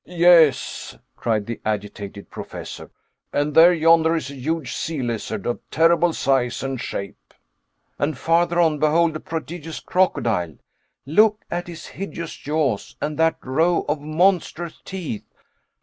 "Yes," cried the agitated Professor, "and there yonder is a huge sea lizard of terrible size and shape." "And farther on behold a prodigious crocodile. Look at his hideous jaws, and that row of monstrous teeth.